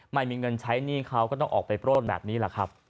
ไม่มีเงินใช้หนี้เขาก็ต้องออกไปปล้นแบบนี้แหละครับ